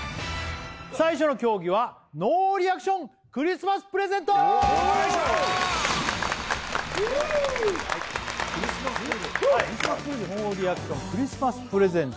最初の競技はノーリアクションクリスマスプレゼント！クリスマスプレゼント？